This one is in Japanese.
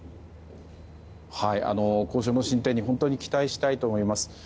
交渉の進展に本当に期待したいと思います。